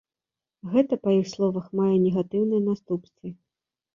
Гэта, па іх словах, мае негатыўныя наступствы.